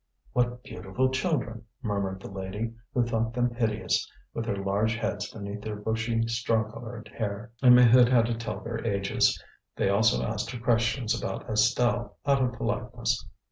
"What beautiful children!" murmured the lady, who thought them hideous, with their large heads beneath their bushy, straw coloured hair. And Maheude had to tell their ages; they also asked her questions about Estelle, out of politeness.